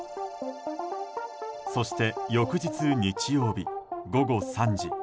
そして翌日、日曜日午後３時。